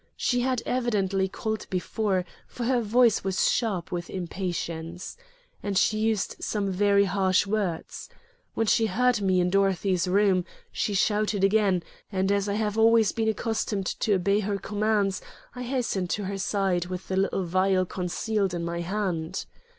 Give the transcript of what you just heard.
She had evidently called before, for her voice was sharp with impatience, and she used some very harsh words. When she heard me in Dorothy's room, she shouted again, and, as I have always been accustomed to obey her commands, I hastened to her side, with the little vial concealed in my hand.